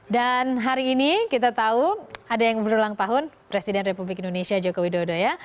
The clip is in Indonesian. dan hari ini kita tahu ada yang berulang tahun presiden republik indonesia jokowi dodo ya